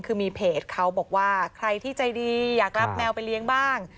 คือมีเพจเขาบอกว่าใครที่ใจดีอยากรับแมวไปเลี้ยงบ้าง